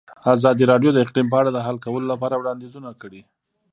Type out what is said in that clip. ازادي راډیو د اقلیم په اړه د حل کولو لپاره وړاندیزونه کړي.